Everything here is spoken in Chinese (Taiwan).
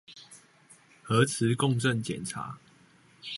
核磁共振檢查